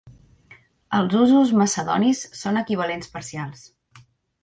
Els usos macedonis són equivalents parcials.